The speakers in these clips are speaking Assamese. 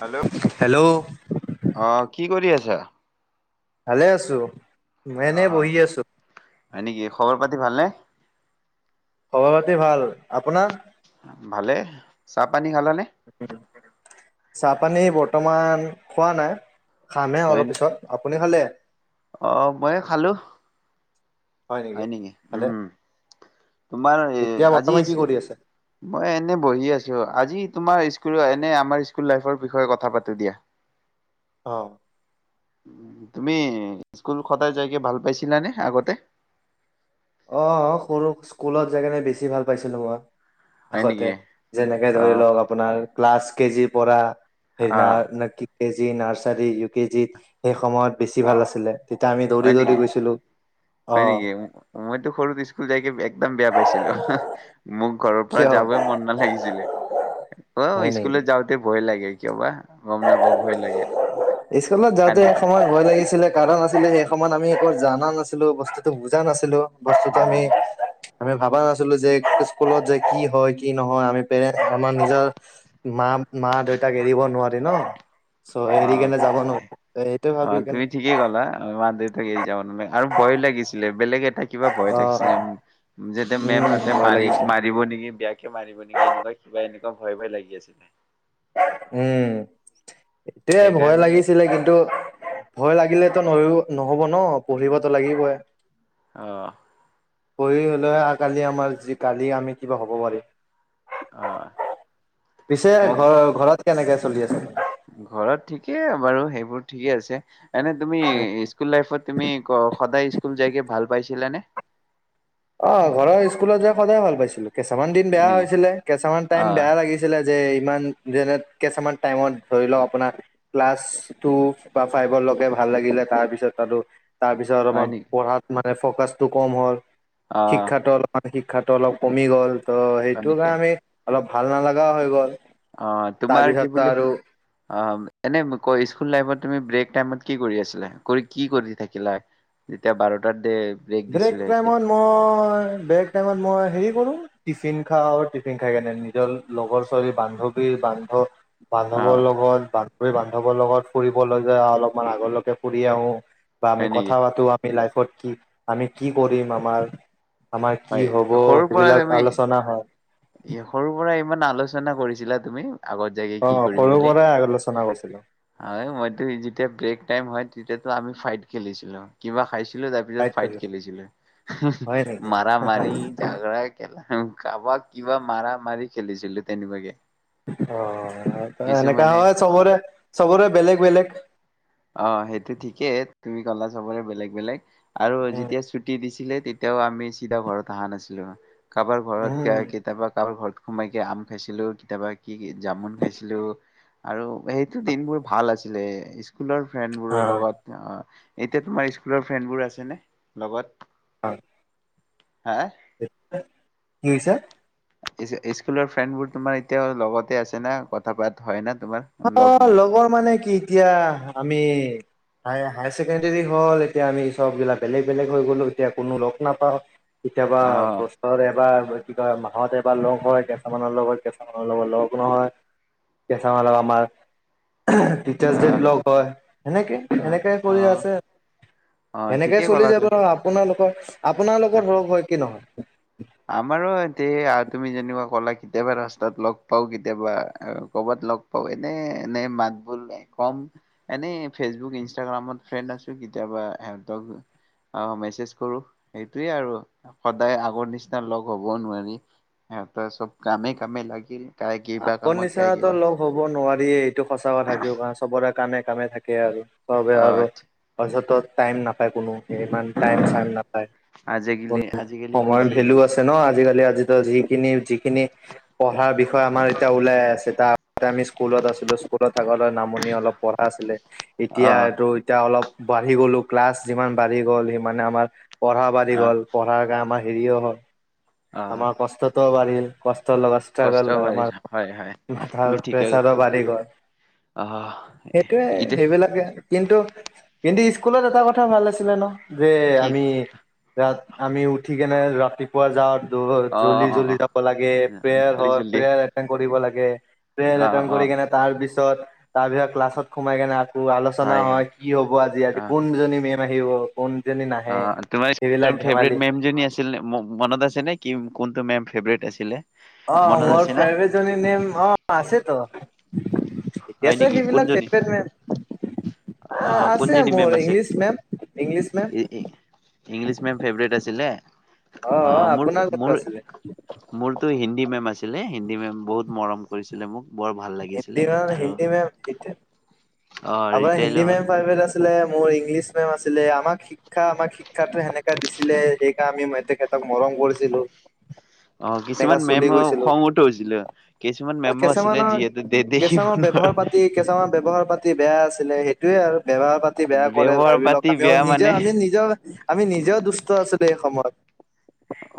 হেল্ল' হেল্ল' আহ। কি কৰি আছা? ভালে আছো। অ এনেই অ বহি আছো। হয় নেকি খবৰ পাতি ভালনে? খবৰ পাতি ভাল, আপোনাৰ? ভালে, চাহ পানী খালানে? [unintelligible] চাহপানী বৰ্তমান খোৱা নাই। খামহে হয় অলপ নি পিছত। আপুনি খালে? অ'! মই খালোঁ। হয় নেকি। উম! তোমাৰ এতিয়া আজি, বৰ্তমান কি কৰি আছে মই এনে বহি আছোঁ, আজি তোমাৰ স্কুল আমাৰ স্কুল লাইফৰ বিষয়ে কথা পাতোঁ দিয়া। [inaudible] তুমি স্কুল সদায় যায়কে ভাল পাইছিলানে আগতে? অঁ! সৰু স্কুলত যাই কিনে বেছি ভাল পাইছিলোঁ মই। হয় নেকি? আগতে, যেনেকে অ ধৰি লওক আপোনাৰ প্লাছ কে জি পৰা অ সেইদিনাৰ নেকি? K G nursery, U K জিত সেই সময়ত বেছি ভাল আছিলে! তেতিয়া আমি, হয় দৌৰি নেকি? দৌৰি গৈছিলোঁ। হয় অ'! নেকি মইতো সৰুত স্কুল যাইকে একদম বেয়া পাইছিলোঁ। মোক ঘৰৰ পৰা কিয় যাবই মন নালাগিছিলে। হয় অ'! নেকি স্কুলে যাওঁতে ভয় লাগে! কিয় বা? গম নাপাওঁ ভয় লাগে স্কুলত যাওঁতে কান্দি এসময়ত ভয় লাগিছিলে, কাৰণ আছিলে সময়ত আমি একো জানা নাছিলোঁ, বস্তুটো বুজা নাছিলোঁ। [unintelligible] আমি ভবা নাছিলোঁ যে, স্কুলত যে কি হয়, কি নহয় আমি পেৰেণ্টছ আমাৰ নিজৰ মা মা-দেউতাক এৰিব নোৱো [unintelligible] অ'! অ'! ভাবি কেনে তুমি ঠিকেই ক'লা মা-দেউতাক এৰি যাব নো আৰু ভয় লাগিছিলে! বেলেগ এটা কিবা ভয় অ থাকিছিলে। যেতিয়া উম মেমহঁতে ভয় মাৰি লাগিছে মাৰিব নেকি বেয়াকে মাৰিব নেকি। এনেকুৱা কিবা এনেকুৱা একদম ভয়, ভয় লাগি আছিলে! উম! এইটোয়ে ভয় সেইকাৰণে লাগিছিলে। কিন্তু, ভয় লাগিলে [unintelligible] নহ'ব ন' পঢ়িবতো লাগিবই। অ! পঢ়ি হ'লে কালি আমাৰ কালি আমি কিবা হ'ব পাৰিম। অ পিছে মোক ঘৰ ঘৰত কেনেকৈ চলি আছে ঘৰত ঠিকেই বাৰু সেইবোৰ ঠিকেই আছে এনে তুমি স্কুল লাইফত তুমি সদায় স্কুল যাইকে ভাল পাইছিলা নে অ ঘৰৰ স্কুলত যাই সদায় ভাল পাইছিলো কেইছামান দিন হয় বেয়া নেকি হৈছিলে কেইচামান টাইম অ' বেয়া লাগিছিলে যে ইমান যেনে কেইচামান টাইমত ধৰি লওক আপোনাৰ ক্লাছ টু বা ফাইভৰ লগকে ভাল লাগিলে তাৰপিছত আৰু তাৰ পিছত আৰু হয় আমাৰ নেকি পঢ়াত মে ফকাচটো কম হ'ল অ' শিক্ষাতো অলপমান শিক্ষ শ খাটো অলপ কমি গ'ল ত' হয় সেইটো নেকি কাৰণে আমি অলপ ভাল নালগাও হৈ গ'ল অ তোমাৰ কি তাৰপিছত বুলি আৰু অ এনে ক স্কুল লাইফত তুমি ব্ৰেক টাইমত কি কৰি আছিলা কৰি কি কৰি থাকিলা যেতিয়া বাৰটাত দে ব্ৰেক দিছিলে সেতি টাইমত মই ব্ৰেক টাইমত মই হেৰি কৰোঁ টিফিন খাওঁ আৰু টিফিন খাই কেনে নিজৰ লগৰ ছোৱালীৰ বান্ধৱীৰ বান্ধৱ অ বান্ধৱৰ লগত বান্ধ গ বান্ধৱৰ লগত ফুৰিবলৈ যা অলপমান আগৰলৈকে ফুৰি আহো বা আমি হয় কথা নেকি পাতো মিলাই ফত কি আমি কি কৰিম আমাৰ আমাৰ কি হয় হব সৰুৰ পৰা সেইবিলাক তুমি আলোচনা হয় সৰুৰ পৰা ইমান আলোচনা কৰিছিলা তুমি আগত যগে অ কি কৰিম সৰুৰ বুলি পৰাই আলোচনা মইো যেতিয়া ব্ৰেক টাইম হয় তেতিয়াতো আমি ফাইট খেলিছিলো কিবা খাইছিলো তাৰ পিছত কৰিছিলো ফাইট খেলিছিলো হয় [inaudible] নেকি মাৰা মাৰি জাগৰা কেল কাবা কিবা মাৰা মাৰি খেলিছিলো তেনেকুৱাকে অ এনেকা কিছুমানে হয় চবৰে চবৰে বেলেগ বেলেগ অ সেইটো ঠিকেই তুমি গলা চবৰে বেলেগ বেলেগ আৰু উম যেতিয়া ছুটি দিছিলে তেতিয়াও আমি চিধা ঘৰত অহা নাছিলো। কাৰোবাৰ ঘৰত গ উম কেতিয়াবা কাৰোবাৰ ঘৰত সোমাইকে আম খাইছিলো কেতিয়াবা কি জামুন খাইছিলো আৰু সেইটো দিন বোৰ ভাল আছিলে স্কুলৰ অ ফেনবোৰৰ লগত অ এতিয়া তোমাৰ স্কুলৰ ফ্ৰেণ্ডবোৰ আছেনে লগত হয় হা [unintelligible] কি হৈছে স্কুলৰ ফ্ৰেণ্ড বোৰ তোমাৰ এতিয়াও লগতে আছে না কথা পাত হয় ন অ লগৰ মানে কি? এতিয়া আমি হাই হায়াৰ ছেকেণ্ডৰী হ'ল এতিয়া আমি সববিলাক বেলেগ বেলেগ হৈ গ'লো এতিয়া কোনো লগ নাপাওঁ। কেতিয়াবা অ বছৰে এবাৰ কি কয় মাহত এবাৰ লগ হয় কেঁটা মানৰ লগত কেঁটা মানৰ লগত লগ নহয় কেটা মানৰ লগত আমাৰ টিচাৰছ অ ডে লগ হয় সেনেকে অ সেনেকাই অ কৰি আছে অ সনেকেই ঠিকেই চলি ক'লা যাব তুমি আৰু আপোনালোকৰ ব [inaudible] আপোনাৰ লগত ধৰক হয় কি নহয়। আমাৰো এতি তুমি যেনেকে ক'লা কেতিয়াবা ৰাস্তাত লগ পাও কেতিয়াবা কৰবাত লগ পাও এনে এনে মাত বোল কম এনে ফেচবুক ইনষ্টাগ্ৰামত ফ্ৰেণ্ড আছো কেতিয়াবা ইহঁতক মেছেজ কৰো সেইটোয়ে আৰু সদায় আগৰ নিচিনা লগ হ'ব নোৱাৰি চব কামে কামে লাগিল। কাই কিবা আগৰ কামত কাই নিচিনাতো কিবা লগ হ'ব নোৱাৰে। [inaudible] সঁচা কথা থাকিব কাৰ চবৰে কানে। কামে থাকে আৰু ত আহ আৰু আচ্ছা, পাছতত টাইম নাপায় কোনো। ইমান টাইম আহ চাইম নাপায় আজিকালি ক আজিকালি সময়ৰ বিজি ভেলু আছে ন আজিকালি। আজি টো যিকিনি যিকিনি বিষয় আমাৰ এতিয়া ওলাই আছে তাৰ আমি স্কুলত আছিলোঁ স্কুলত থাকোঁতে নামনি অলপ পঢ়া আছিলে আহ এতিয়াটো এতিয়া অলপ বাঢ়ি গ'লো ক্লাছ যিমান বাঢ়ি গ'ল সিমানে আমাৰ পঢ়া বাঢ়ি আহ গল পঢ়াৰে আমাৰ হেৰিও হয়ওক আহ আমাৰ কষ্টটো বাঢ়িল। কষ্ট লগা কষ্ট ষ্ট্ৰাগল হয় হয় মাথাৰ তুমি ঠিকে প্ৰেছাৰো বাঢ়ি গ'ল আহ সেইটোৱে ইতি সেইবিলাকে কিন্তু কিন্তু স্কুলত এটা কথা ভাল আছিলে ন যে কি আমি তাত আমি উঠ ঠিকেনে ৰাতি পোৱা যাওঁত অ জ্বলদি অ জ্বলদি অ যাব লাগে প্ৰেয়াৰ জল্দি হয় জল্দি প্ৰেয়াৰ এটেন কৰিব লাগে। গে। পেয়াৰ অ এটেন অ কৰি কেনে তাৰ পিছত পিছত তাৰপিছত ক্লাছত সোমাই কেনে আলোচনা হয় কি হ'ব আজি অ কোনজনী মেম আহিব ক অ তোমাৰ ফেভট মেম আছিল মনত আছে নে কি কোনটো মেম? ফেভৰেট আছিলে মনত আছে অৰ্ড নে ফেব্ৰত নেম অ আছে ত [unintelligible] হয় এছ নেকি কিবিলাক কোনজনী ফেভট ম অ কোন জ নি মেম আছে English ma'am English ma'am favourite আছে আছিলে অ অ মোৰ আপোন কথা মোৰ আছিলছে মোৰতো হিন্দী মেম আছিলে হিন্দী মেম বহুত মৰম কৰিছিলে মোক বৰ ভাল লাগিছিলে হিন্দী আৰু হিন্দী মেম অ আপোনাৰ হিন্দী ৰিটায়াৰ হ'ল মেম ফাইভেট আছে মোৰ ইংলিছ মেম আছিলে, আমাক শিক্ষা আমাক শিক্ষা সেনেকা দিছিলে সেয়ে আমি তেখেতক মৰম কৰিছিলো। অঁ এনেকা কিছুমান চলি মেম গৈছিলো। খঙ উঠ হৈছিলে, কিছুমান অ', মেমো আছিলে কেঁচামানৰ যিহেতু দে দেখিব কেঁচামানৰ ব্যৱহাৰ নোৱাৰে পাতি কেঁচামানৰ ব্যৱহাৰ পাতি বেয়া আছিলে সেইটোয়ে আৰু ব্যৱহাৰ পাতি বেয়া কৰে, ব্যৱহাৰ ভাবি লক পাতি আমিও বেয়া নিজে মানে। আমি নিজৰ আমি নিজেও দুষ্ট আছো সেই সময়ত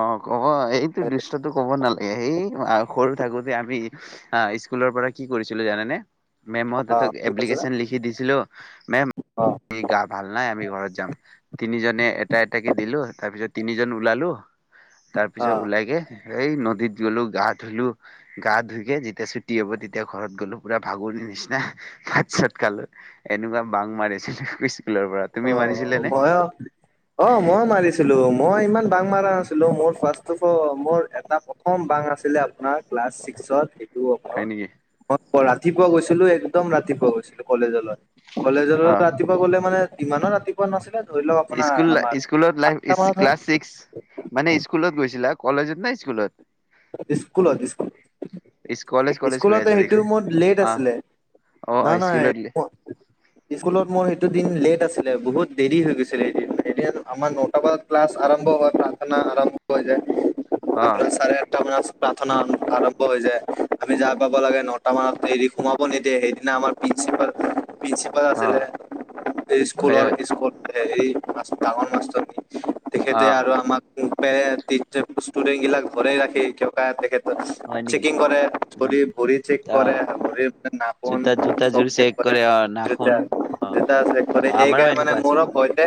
অ কব এইটো দুষ্টটো কব নালাগে, এই সৰু থাকোতে আমি আহ স্কুলৰ পৰা কি কৰিছিলো জানেনে? মে ত অ', কি কৈছিলে? এপ্লিকেশ্যন লিখি দিছিলো মেম অ', গা ভাল নাই আমি ঘৰত যাম তিনিজনে এটা এটাকে দিলোঁ তাৰপিছত তিনিজন ওলালো তাৰ পিছত অ'। ওলাইগে। এই নদীত গলো গা ধুলো গা ধুইকে যেতিয়া চুটি হব তেতিয়া ঘৰত গলো, পুৰা ভাগৰি নিচিনা ভাত চত খালো এনেকুৱা বাং মাৰিছিলো। পিছ অ ময় অ অ ময়ো মাৰিছিলো মই ইমান বাং মাৰা নাছিলোঁ, মোৰ ফাৰ্ষ্ট অফ মোৰ এটা প্ৰথম বাং আছিলে আপোনাৰ ক্লাছ ছিক্সত দ হয় নেকি [unintelligible] ৰাতিপুৱা গৈছিলো একদম ৰাতিপুৱা গৈছিলো কলেজ লগত কলেজৰ অ। ৰাতিপুৱা গ'লে মানে ইমানো ৰাতিপুৱা নাছিলে ধৰি লওক আপোনাৰ আমাৰ স্কুলত ল আঠটা মানত হয় ক্লাছ ছিক্স মানে স্কুলত গৈছিলা। কলেজত না স্কুলত? স্কুলত স্কুলত ইচ- কলেজ কলেজ কৈ স্কুলতে আছা সেইটো দেখোন মোৰ লেট আহ আছিলে, অ অ নহয় স্কুলত লে- নহয় স্কুলত মোৰ সেইটো দিন লেট আছিলে, বহুত দেৰি হৈ গৈছিলে এদিন, এতিয়াতো আমাৰ নটা বজাত ক্লাছ আৰম্ভ হয়, প্ৰাৰ্থনা আৰম্ভ হৈ য়ায়। অ চাৰে আঠটা বজা প্ৰাৰ্থনা আৰম্ভ হৈ যায়, আমি যায় পাব লাগে নটা মানত এৰি সোমাব নিদিয়ে সেইদিনা আমাৰ প্ৰিঞ্চিপাল। প্ৰিঞ্চিপাল অ আছিলে হয় স্কুলৰ হয় স্কুল হেৰি মাছ ডাঙৰ মাছটো অ তেখেতে আৰু আমাক। [unintelligible] ভৰেই ৰাখি [unintelligible] তেখেত হয় নেকি চেকিং কৰে, উম ভৰি, ভৰি চেক অ কৰে, ভৰি নাখুন জোতা জোতা চব জোৰ চেক কৰে, অ নাখুন অ জোতা চেক কৰে অ আমাৰো সেইকাৰণে মানে এনেকুৱা আছিল মোৰো ভয়তে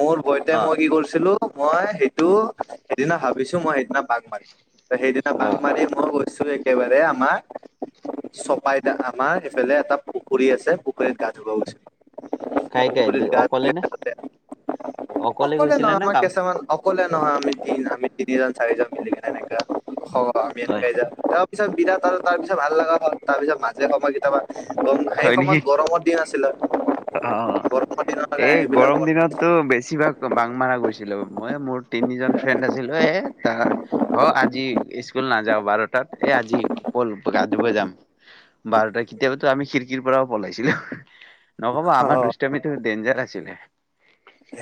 মোৰ ভয়তে অ মৰি গৈছিলোঁ। মই সেইটো সেইদিনা ভাবিছো মই সেইদিনা। পাক মাৰিম সেইদিনা অ বাংমাৰি মই গৈ। কিছু একেবাৰে আমাৰ চপাই আমাৰ এইফালে এটা পুখুৰী আছে পুখুৰীত গা ধা গৈছিলো। কাই কাই পুখুৰীত দু- গা অকলে নে অকলে গৈছিলে নহয় নে আমাৰ কাম কেঁচামান অকলে নহয় আমি দিন আমি তিনিজন, চাৰিজন। মিলিগিনে এনেকা। আমি হয় এনেকাই যা। পিত বিনা ত তাৰ পিছত ভাল লগা হল তাৰ পিছ মাজে সময় কেতিয়াবা। গম সেই হয় সময়ত নেকি গৰমৰ দিন আছিলে। অ গৰমৰ দিনৰ কাৰণে এই সেইবিলাক গৰম অ দিনতটো বেছিভাগ বাং মাৰা গৈছিলো মই মোৰ তিনিজন ফ্ৰেণ্ড আছিলো এ তাৰ। অ আজি স্কুল নাযাও বাৰটাত, এ আজি পল গা ধুব যাম বাৰটাত কেতিয়াবো আমি খিৰিকীৰ পৰাও পলাইছিলো। নকবা আমাৰ দুষ্টামিটো ডেঞ্জাৰ আছিলে।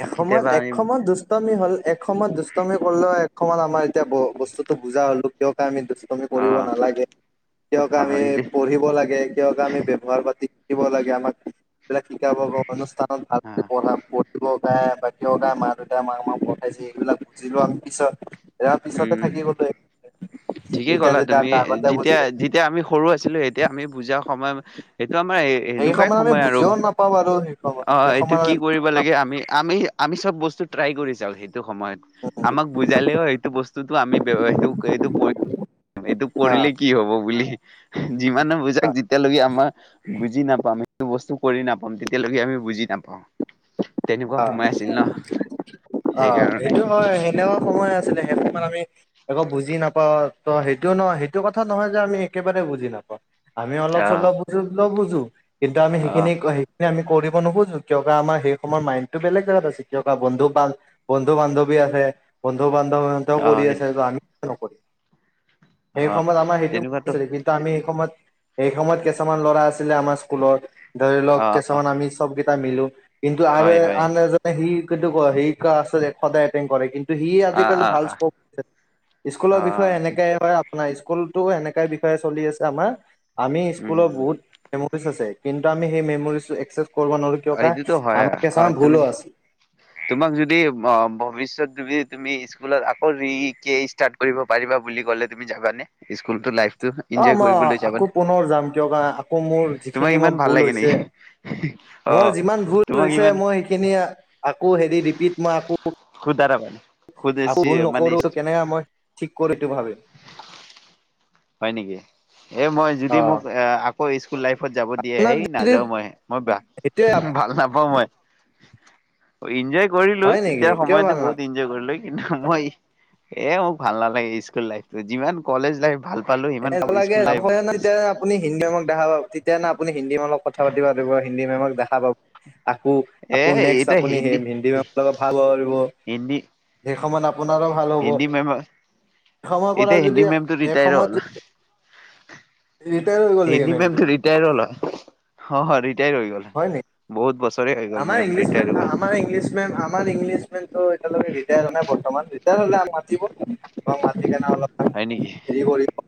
এসময়ত কেতিয়াবা এক আমি সমত দুষ্টমি হ'ল এক সময়ত দুষ্টমি কৰিলোঁ হয়। অমান আমাৰ এতিয়া বস্তুত বুজা হ'লো কিয় আমি দুষ্টা। মি অ কৰিব নালাগে, কিয় অ আমি এইটো পঢ়িব লাগে, কিয় আমি ব্যৱহাৰ পাতি। শিকিব লাগে আমাক এইবিলাক শিকাব। [unintelligible] অ ক গায় বাক গায় মা দেউতাই মাক মাক পঠাইছে এইবিলাক বুজিলো আমি পিছত। ইয়াৰ পিছতে উম থাকি গলো এতিয়া ঠিকেই ক'লা যেতিয়া তুমি আমি আগতে যেতিয়া বুজিলো যেতিয়া আমি সৰু আছিলো এতিয়া আমি বুজা। সময় সিটো আমাৰ সেই সেনেকুৱাই সময়ত আমি সময় আৰু বুজিও নাপাওঁ বাৰু সেই সময়ত অ সেই এইটো সময়ত কি আমি বুজি কৰিব নাপাওঁ। লাগে আমি আমি আমি চব বস্তু। ট্ৰাই কৰি চাও সেই। সিটো সময়ত আমাক বুজালেও। এইটো বস্তুতটো আমি এইটো এইটো এইটো হা কৰিলে কি হ'ব বুলি। যিমানে বুজাক হা যেতিয়ালৈকে আমাৰ বুজি নাপাম সেইটো বস্তু। কৰি নাপাম তেতিয়ালৈকে আমি বুজি নাপাওঁ। তেনেকুৱা অ সময় আছিল ন অ সেইকাৰণে সেইটো হয় সেনেকুৱা সময় আ। আছিলে সেইটো আমি একৌ বুজি নাপাওঁ ত সেইটো নহয় সেইটো কথা নহয় যে আমি একেবাৰে বুজি নাপাওঁ। আমি অলপ আহ চলপ বুজো। নবুজো। কিন্তু আমি আহ সেইখিনি। আমি কৰিব নোখোজোঁ কিয়া আমাৰ সেই সময়ৰ মাইণ্ড। এইটো বেলেগ জেগাত আছে, কিয়বা বন্ধু বান বন্ধু, বান্ধৱী আছে বন্ধু, বান্ধৱ। সিহতে আহ কৰি আছে সেইটো আমি ন কৰি সেই অ সময়ত আমাৰ সেইটো তেনেকুৱাতো কিন্তু আমি সেই সময়ত এই সময়ত কিইছামান ল'ৰা আছিলে আমাৰ স্কুলত ধৰি লওক অ অ কিছুমান আমি চব তাৰ মিলো কিন্তু আৰু হয় হয় সি কিন্তটো সেই আছে সদায় এটেং কৰে কিন্তু সি অ আজিকালি অ ভাল অ স্কপ স্কুলৰ অ বিষয়ে এনেকে হয় আাৰ স্কুলতো এনেকাই বিষয়ে চলি আছে আমাৰ আমি স্কুলত উম বহুত মেমৰিজ আছে কিন্তু আমি সেই মেমৰিজটো একচেছ কৰিব নোৱাৰো কিয় ক এইটোতো হয় আমাক অ তুমি তোমাক যদি ভৱিষ্যত তুমি তুমি মি স্কুলত আকৌ ৰিকে ষ্টাৰ্ট কৰিব পাৰিবা বুলি ক'লে তুমি যাবানে স্কুলতো লাইফ অ মই আকৌ পুনৰ যাম কিয় কাৰণ আকৌ মোৰ তোমাক যিখিনি ইমান মই ভাল ভুল লাগে হৈছে নেকি? অ', মোৰ যিমান ভুল তোমাক হৈছে ইমান মই সেইখিনি আকৌ হেৰি ৰিপিট মই আকৌ বাৰবাৰ আক ভুল নকৰো কেনেকে মই ঠিক কৰো এইটো ভাবিম হয় নেকি এ মই যদি মোক আকৌ স্কুল লাইফত যাব দিয়ে আপোনাক হেই যদি নাযাও মই মই সেইটোৱে ভাল নাপাওঁ মই ইনজয় কৰিলো হয় নেকি তেতিয়া কিয় সময়তো ভাল নাপ বহুত এনজয় কৰিলো মই এ মোক ভাল নালাগে স্কুল লাইফতো যিমান কলেজ লাইফ ভাল পালো সিমান এ স্কুল লাইফ বেছি নে আপুনি হিন্দী মেমক দেখা তেতিয়া না আপুনি হিন্দী মেমক কথা পাতিবা লাগিব হিন্দী মেমক আকৌ আকৌ আকৌ নেক্সট আপুনি হেই হিন্দী মেমৰ লগত কথা পাতিব পাৰিব সেই সময়ত আপ আপোনাৰো ভাল হ'ব এসময় পৰা এতিয়া যদি হিন্দী মেমটো ৰিটায়াৰ হ'ল এসময়ত নেকি হিন্দী মেমটো মেমজনী ৰিটায়াৰ হল অ ৰি ৰিটায় হৈ গল হয় নেকি বহুত বছৰ আমাৰ ইংলিছমেম ইংলিছ মেম আমাৰ ইংলিছমেমটো ৰিটায় হোৱা নাই বৰ্তমান তেনেহলে মাতিব মাতি যাম আমাক হয় নেকি হেৰি কৰিব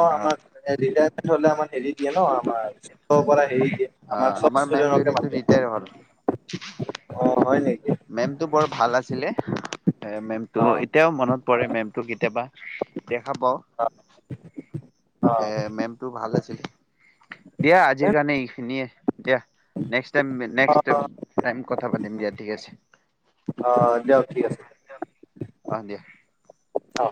অ আমাক ৰিটাই হলে আমাৰ এৰি দিয়ে ন আমাৰ অ পৰা সেই অ আমাৰ মেমজনীটো ৰিটায়াৰ হল অ হয় নেকি মেমটো বৰ ভাল আছিলে এ মেমটো অ এতিয়াও মনত পৰে মেমটো কেতিয়াবা দেখা পাও অ অ এ মেমটো ভাল আছিল দিয়া আজিৰ মেম, কাৰণে ই খিনিয়ে দিয়া নেক্সট টাইম নেক্সট টাইম কথা পাতিম দিয়া ঠিক আছে অ দিয়ক ঠিক আছে অ দিয়া অ